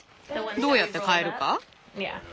どうやって替えるか？